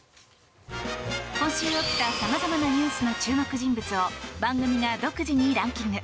今週起きたさまざまなニュースの注目人物を番組が独自にランキング。